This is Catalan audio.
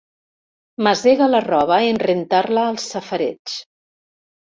Masega la roba en rentar-la al safareig.